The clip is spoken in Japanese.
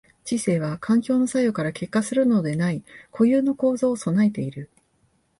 知性は環境の作用から結果するのでない固有の構造を具えている。